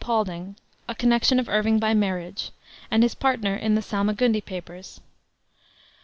Paulding, a connection of Irving by marriage, and his partner in the Salmagundi Papers.